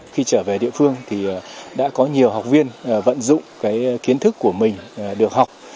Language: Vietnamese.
khi trở về địa phương thì đã có nhiều học viên vận dụng cái kiến thức của mình được học